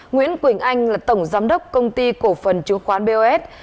nguyễn quỳnh anh là tổng giám đốc công ty cổ phần chứng khoán bos